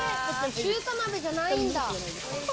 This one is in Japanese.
中華鍋じゃないんだ。